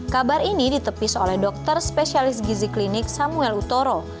kabar ini ditepis oleh dokter spesialis gizi klinik samuel utoro